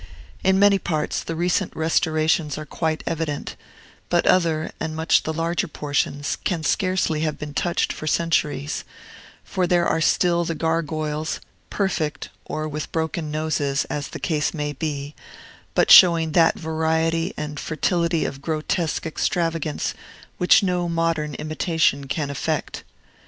In many parts, the recent restorations are quite evident; but other, and much the larger portions, can scarcely have been touched for centuries: for there are still the gargoyles, perfect, or with broken noses, as the case may be, but showing that variety and fertility of grotesque extravagance which no modern imitation can effect.